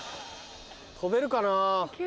飛べるかな？